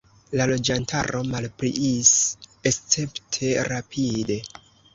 La loĝantaro malpliis escepte rapide.